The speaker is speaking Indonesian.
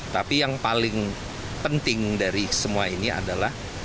tapi yang paling penting dari semua ini adalah